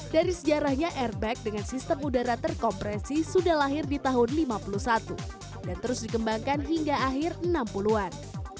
dari sejarahnya airbag dengan sistem udara terkompresi sudah lahir di tahun seribu sembilan ratus lima puluh satu dan terus dikembangkan hingga akhir seribu sembilan ratus enam puluh an